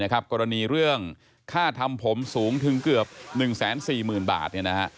กรณีเรื่องค่าทำผมสูงถึงเกือบ๑๔๐๐๐บาท